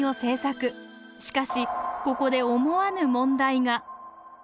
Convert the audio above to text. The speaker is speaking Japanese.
しかしここで思わぬ問題が！